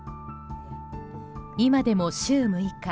今でも週６日